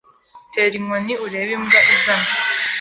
Tera inkoni urebe imbwa izana.